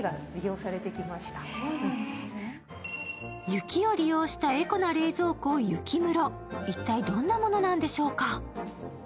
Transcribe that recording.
雪を利用したエコな冷蔵庫、雪室一体どんなものなんでしょうか？